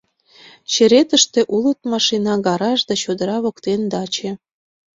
— Черетыште улыт машина, гараж да чодыра воктен даче.